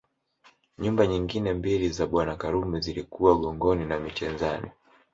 Nyumba nyingine mbili za Bwana Karume zilikuwa Gongoni na Michenzani